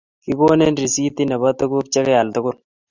Kigonin risitit nebo tuguk chegeal tugul